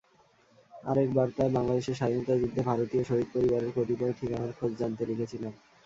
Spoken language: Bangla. আরেক বার্তায় বাংলাদেশের স্বাধীনতাযুদ্ধে ভারতীয় শহীদ পরিবারের কতিপয় ঠিকানার খোঁজ জানতে লিখেছিলাম।